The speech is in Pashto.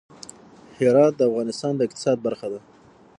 هرات د افغانستان د اقتصاد برخه ده.